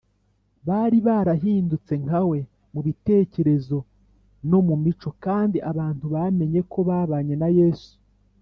bari barahindutse nka we mu bitekerezo no mu mico, kandi abantu bamenye ko babanye na yesu